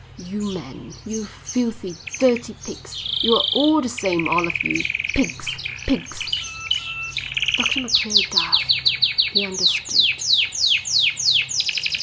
"You men! You filthy, dirty pigs! You're all the same, all of you. Pigs! Pigs!" Dr Macphail gasped. He understood.